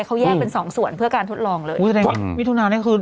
เขาแยกเป็นสองส่วนเพื่อการทดลองเลย